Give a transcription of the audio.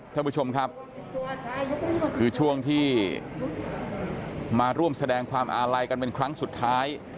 ท่านผู้ชมครับคือช่วงที่มาร่วมแสดงความอาลัยกันเป็นครั้งสุดท้าย